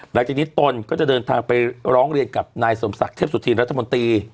หลังจากนี้ตนก็จะเดินทางไปร้องเรียนกับนายสมศักดิ์เทพสุธินรัฐมนตรี